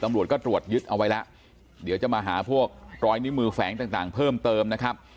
ตำรวจก็ตรวจยึดเอาไว้แล้วเดี๋ยวจะมาหาพวกรอยนิ้วมือแฝงต่างเพิ่มเติมนะครับ